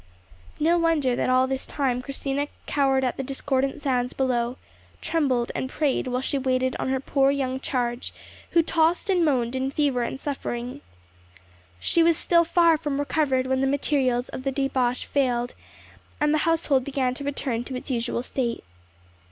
No wonder that all this time Christina cowered at the discordant sounds below, trembled, and prayed while she waited on her poor young charge, who tossed and moaned in fever and suffering. She was still far from recovered when the materials of the debauch failed, and the household began to return to its usual state.